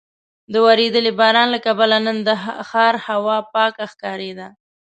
د ورېدلي باران له کبله نن د ښار هوا پاکه ښکارېده.